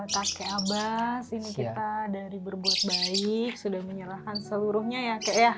kakek abbas ini kita dari berbuat baik sudah menyerahkan seluruhnya ya kek ya